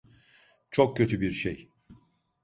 Çok kötü bir şey.